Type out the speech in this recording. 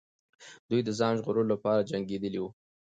دوی د ځان ژغورلو لپاره جنګېدلې وو.